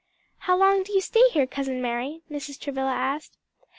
"How long do you stay here, Cousin Mary?" Mrs. Travilla asked.